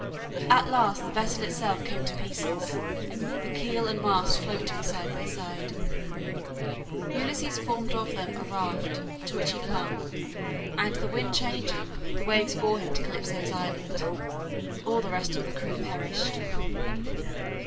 At last the vessel itself came to pieces. The keel and mast floating side by side, Ulysses formed of them a raft, to which he clung, and, the wind changing, the waves bore him to Calypso's island. All the rest of the crew perished.